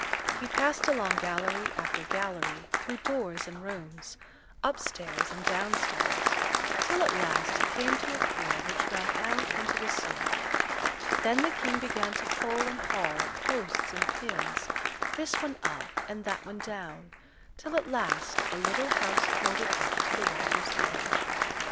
He passed along gallery after gallery through doors and rooms, up stairs and down stairs, till at last he came to a pier which ran out into the sea. Then the King began to pull and haul at posts and pins, this one up and that one down, till at last a little house floated up to the water's edge.